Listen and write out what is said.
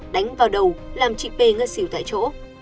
đánh vào đầu làm chị p ngất xỉu tại chỗ